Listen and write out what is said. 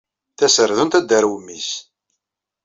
Taserdunt ad d-tarew mmi-s.